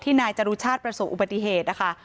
นายจรุชาติประสบอุบัติเหตุนะคะ